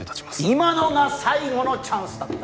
今のが最後のチャンスだった！